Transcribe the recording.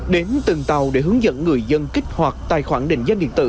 đến từng tàu để hướng dẫn người dân kích hoạt tài khoản định danh điện tử